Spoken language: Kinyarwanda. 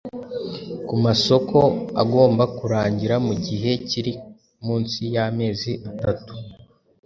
ku masoko agomba kurangira mu gihe kiri munsi y’amezi atatu